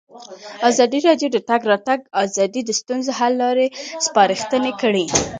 ازادي راډیو د د تګ راتګ ازادي د ستونزو حل لارې سپارښتنې کړي.